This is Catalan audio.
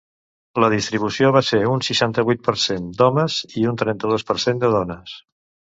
La distribució va ser un seixanta-vuit per cent d'homes i un trenta-dos per cent de dones.